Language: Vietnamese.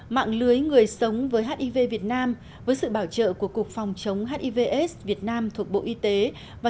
mạng lưới người sống với hiv việt nam với sự bảo trợ của cục phòng chống hiv aids việt nam thuộc bộ y tế và